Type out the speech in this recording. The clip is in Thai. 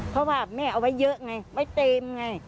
เพราะว่าแม่เอาไว้เยอะไงไว้เต็มไง